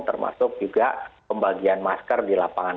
termasuk juga pembagian masker di lapangan